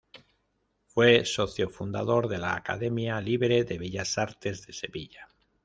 Fue socio fundador de la Academia libre de Bellas Artes de Sevilla.